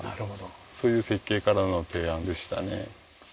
そういう設計からの提案でしたね。